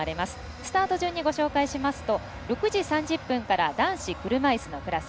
スタート順にご紹介しますと６時３０分から男子車いすのクラス。